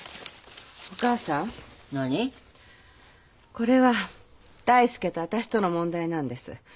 これは大介と私との問題なんです。